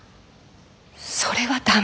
それは駄目よ。